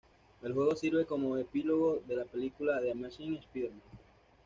El juego sirve como epílogo de la película "The Amazing Spider-Man".